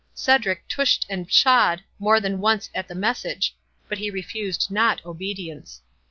Cedric tushed and pshawed more than once at the message—but he refused not obedience.